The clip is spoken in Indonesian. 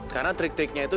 karena trik triknya itu